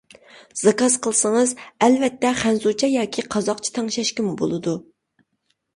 زاكاز قىلسىڭىز ئەلۋەتتە خەنزۇچە ياكى قازاقچە تەڭشەشكىمۇ بولىدۇ.